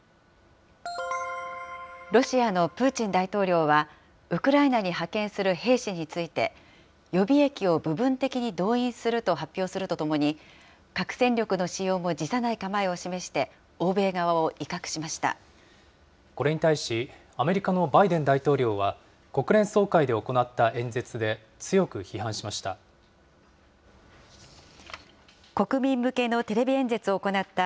ロシアのプーチン大統領は、ウクライナに派遣する兵士について、予備役を部分的に動員すると発表するとともに、核戦力の使用も辞さない構えを示して、これに対し、アメリカのバイデン大統領は、国連総会で行った演説で、強く批判しました。